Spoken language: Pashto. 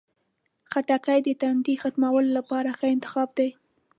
خټکی د تندې ختمولو لپاره ښه انتخاب دی.